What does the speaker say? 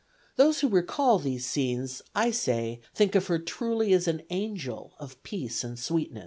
Those who recall these scenes I say think of her truly as an angel of peace and sweetness.